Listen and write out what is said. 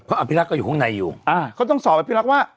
อภิรักษ์ก็อยู่ข้างในอยู่อ่าเขาต้องสอบอภิรักษ์ว่า